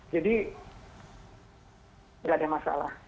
jadi nggak ada masalah